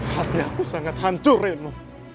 hati aku sangat hancur reno